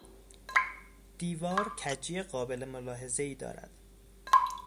دیوار کجی قابل ملاحظهای دارد.